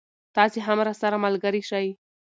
تاسې هم راسره ملګری شئ.